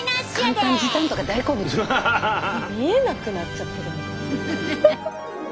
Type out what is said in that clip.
見えなくなっちゃってるもん。